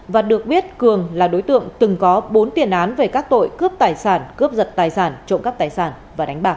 và được biết cường là đối tượng từng có bốn tiền án về các tội cướp tài sản cướp giật tài sản trộm cắp tài sản và đánh bạc